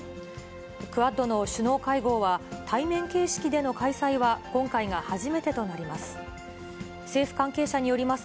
クアッドの首脳会合は、対面形式での開催は今回が初めてとなります。